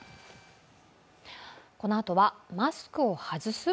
このあとは、マスクを外す？